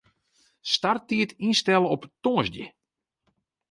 Starttiid ynstelle op tongersdei.